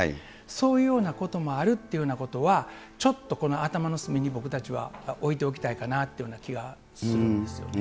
そういうようなこともあるっていうようなことは、ちょっとこの頭の隅に僕たちは置いておきたいかなっていうような気がするんですよね。